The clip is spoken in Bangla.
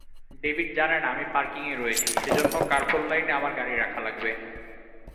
ডেভিড জানে না আমি পার্কিংয়ে রয়েছি, সেজন্য কার্পোল লাইনে আমার গাড়ি রাখা লাগবে।